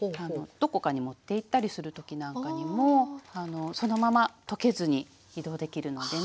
どこかに持っていったりする時なんかにもそのまま溶けずに移動できるのでね。